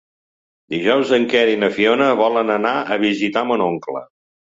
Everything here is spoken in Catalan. Dijous en Quer i na Fiona volen anar a visitar mon oncle.